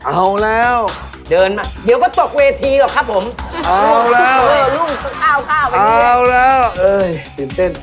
เอาละครับ